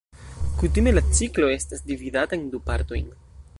Kutime la ciklo estas dividata en du partojn.